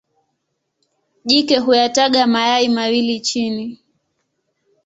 Jike huyataga mayai mawili chini.